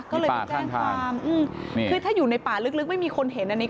ก็เลยไปแจ้งความคือถ้าอยู่ในป่าลึกไม่มีคนเห็นอันนี้